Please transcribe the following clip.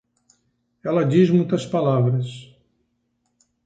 Ela diz muitas palavras.